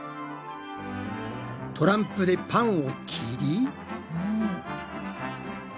トランプでパンを切り。